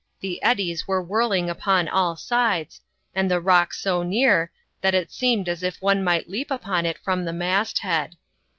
m the eddies were whirling upon all sides, and the rock so near, that it seemed as if one might leap upon it fron the mast head.